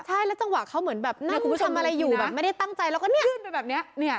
ใช่แล้วจังหวะเขาเหมือนแบบหน้าคุณผู้ชมทำอะไรอยู่แบบไม่ได้ตั้งใจแล้วก็เนี่ยยื่นไปแบบนี้เนี่ย